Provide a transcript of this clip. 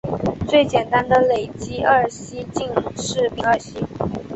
最简单的累积二烯烃是丙二烯。